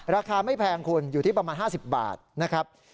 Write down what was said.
ราคาไม่แพงคุณอยู่ที่ประมาณ๕๐บาทนะครับ